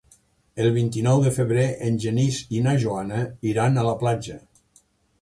El vint-i-nou de febrer en Genís i na Joana iran a la platja.